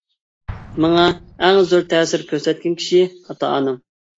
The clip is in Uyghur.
ماڭا ئەڭ زور تەسىر كۆرسەتكەن كىشى-ئاتا-ئانام.